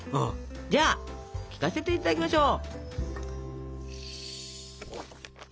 じゃあ聞かせていただきましょう！